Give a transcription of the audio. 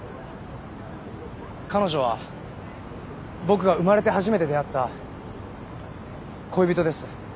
彼女は僕が生まれて初めて出会った恋人です。